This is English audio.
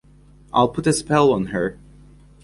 I'll put a spell on her.